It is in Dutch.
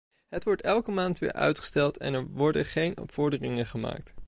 Het wordt elke maand weer uitgesteld en er worden geen vorderingen gemaakt.